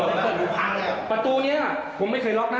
งัดเลยอังกฤดเด้อไม่ได้รึไง